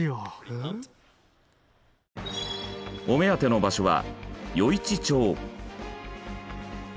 お目当ての場所は。